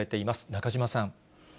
中島さん。